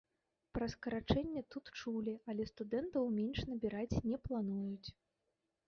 Пра скарачэнне тут чулі, але студэнтаў менш набіраць не плануюць.